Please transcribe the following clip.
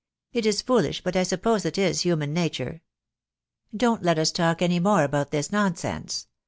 It is foolish, but I suppose it is human nature. Don't let us talk any more about this nonsense.